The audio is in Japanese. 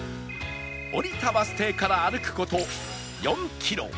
降りたバス停から歩く事４キロ